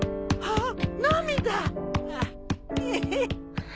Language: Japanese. あっ。